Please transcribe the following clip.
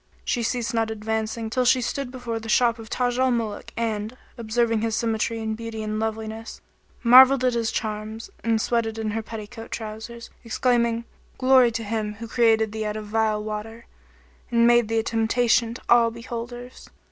She ceased not advancing till she stood before the shop of Taj al Muluk and, observing his symmetry and beauty and loveliness, marvelled at his charms and sweated in her petticoat trousers, exclaiming, "Glory to Him who created thee out of vile water, and made thee a temptation to all beholders!"